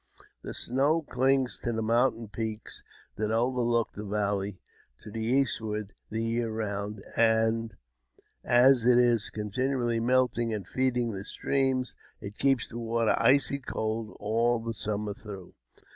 The snow clings to the . mountain peaks that overlook the valley to the eastward the .year round, and as it is continually melting and feeding the streams, it keeps the water icy cold all the summer through.